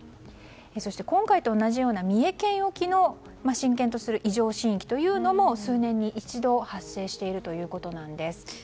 そして今回と同じような三重県沖を震源とする異常震域というのも、数年に一度発生しているということなんです。